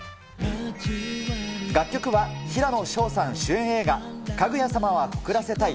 楽曲は平野紫燿さん主演映画、かぐや様は告らせたい。